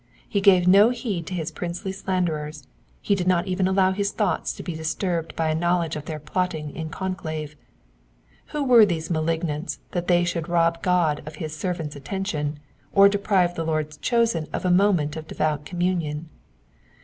He gave no heed to his princely slanderers, he did not even allow his thoughts to be disturbed by a knowledge of their plotting in conclave. Who were these malignants that they should rob God of his servant's atten tion, or deprive the Lord's chosen of a moment's devout communion.